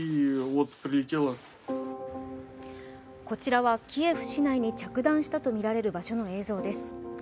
こちらはキエフ市内に着弾したとみられる場所の映像です。